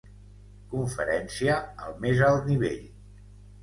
Conferència al més alt nivell.